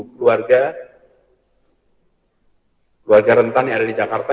dua empat ratus enam puluh keluarga rentan yang ada di jakarta